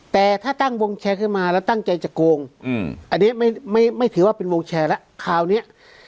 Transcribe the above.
แต่ถ้าตั้งวงแชร์ขึ้นมาแล้วตั้งใจจะโกงอันนี้ไม่ถือว่าเป็นวงแชร์แล้วคราวนี้